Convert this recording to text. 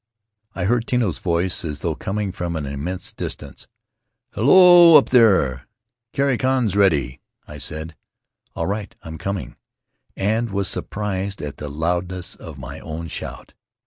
I heard Tino's voice as though coining from an immense distance: "Hello, up there! Kai kai's ready!" I said: Rutiaro "All right! I'm coming," and was surprised at the loudness of my own shout.